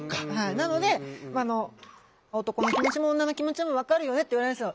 なので男の気持ちも女の気持ちも分かるよねって言われるんですよ。